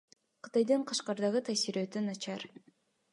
Кытайдын Кашкардагы таасири өтө начар.